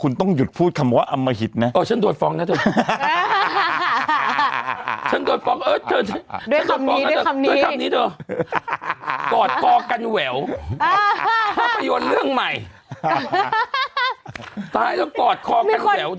โดยก็เหลวเท่าเค้า